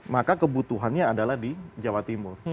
maka kebutuhannya adalah di jawa timur